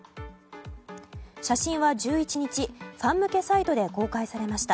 写真は１１日ファン向けサイトで公開されました。